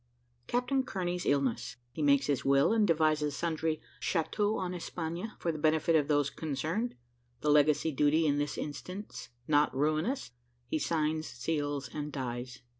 CAPTAIN KEARNEY'S ILLNESS HE MAKES HIS WILL AND DEVISES SUNDRY "CHATEAUX EN ESPAGNE," FOR THE BENEFIT OF THOSE CONCERNED THE LEGACY DUTY IN THIS INSTANCE NOT RUINOUS HE SIGNS, SEALS, AND DIES.